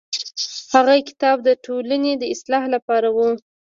هغه کتاب د ټولنې د اصلاح لپاره و.